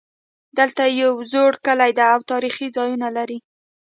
دلته یو زوړ کلی ده او تاریخي ځایونه لري